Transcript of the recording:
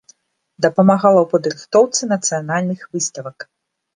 Дапамагала ў падрыхтоўцы нацыянальных выставак.